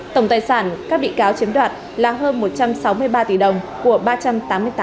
tổng tài sản các bị cáo chiếm đoạt là hơn một trăm sáu mươi ba tỷ đồng của ba trăm tám mươi tám người